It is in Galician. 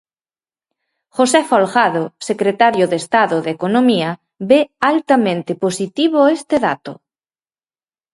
"José Folgado, secretario de Estado de Economía, ve "altamente positivo" este dato."